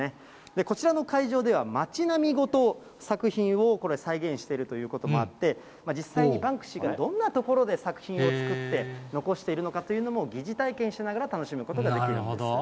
こちらの会場では、街並みごと作品をこれ、再現しているということもあって、実際にバンクシーがどんな所で作品を作って、残しているのかというのも疑似体験しながら楽しむことができるんです。